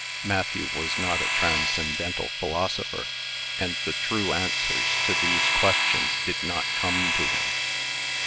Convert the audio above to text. Matthew was not a transcendental philosopher; and the true answers to these questions did not come to him.